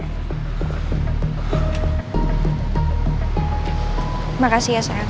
terima kasih ya sayang